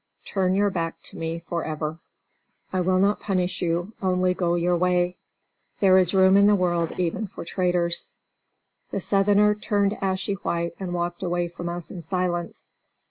Turn your back to me forever. I will not punish you; only go your way. There is room in the world even for traitors." The Southerner turned ashy white and walked away from us in silence.